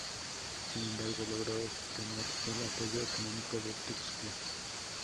Sin embargo, logró obtener el apoyo económico de Tuxtla.